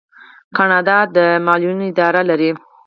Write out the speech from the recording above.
کاناډا د معلولینو اداره لري.